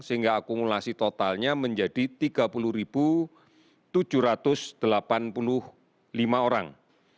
sehingga akumulasi totalnya menjadi tiga puluh tujuh ratus delapan puluh lima orang